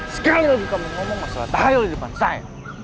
sekali lagi kamu ngomong masalah tahil di depan saya